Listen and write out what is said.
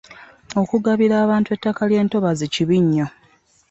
Okugabira abantu ettaka ly'entobazzi kibi nnyo.